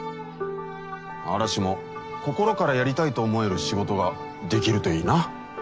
・嵐も心からやりたいと思える仕事ができうん！